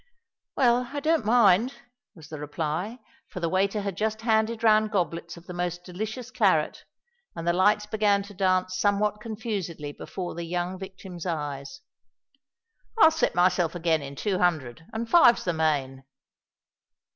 "Well—I don't mind," was the reply—for the waiter had just handed round goblets of the most delicious claret, and the lights began to dance somewhat confusedly before the young victim's eyes. "I'll set myself again in two hundred; and five's the main."